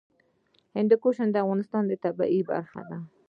هندوکش د افغانستان د طبیعت برخه ده.